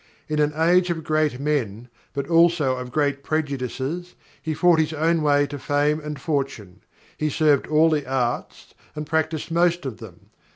In an age of great men, but also of great prejudices, he fought his own way to fame and fortune. He served all the arts, and practised most of them.